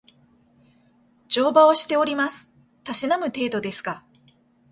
乗馬をしております。たしなむ程度ですが